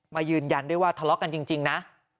ยืนยันด้วยว่าทะเลาะกันจริงนะ